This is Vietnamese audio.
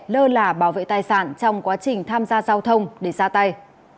lơ là bảo vệ tài sản trong quá trình tham gia giao thông để ra tay